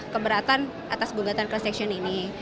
keberatan atas bungkatan cross section ini